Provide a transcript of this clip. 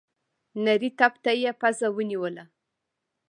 نري تپ ته يې پزه ونيوله.